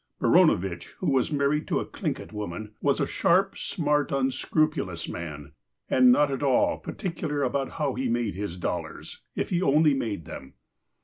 Baranovitch, who was married to a Thliugit Indian woman, was a sharp, smart, unscrupulous man, and not at all particular about how he made his dollars, if he only made them.